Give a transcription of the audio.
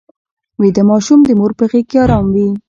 ویده ماشوم د مور په غېږ کې ارام وي